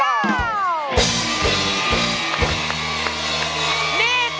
เพื่อพลังสะท้าของคนลูกทุก